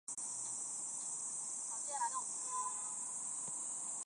这可给井拥有者和生产者提供在钻井过程中有关岩性和井中流体的信息。